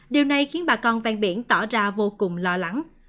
điều này khiến bà con ven biển tỏ ra vô cùng lo lắng